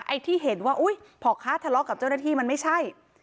ไอ้ที่เห็นว่าอุ๊ยพ่อค้าทะเลาะกับเจ้าหน้าที่มันไม่ใช่